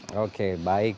oke baik terima kasih